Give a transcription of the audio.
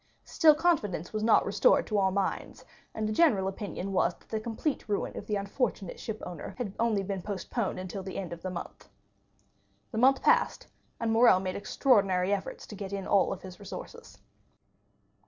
Still confidence was not restored to all minds, and the general opinion was that the complete ruin of the unfortunate shipowner had been postponed only until the end of the month. The month passed, and Morrel made extraordinary efforts to get in all his resources.